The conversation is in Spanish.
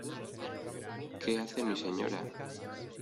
¡ qué hace mi señora!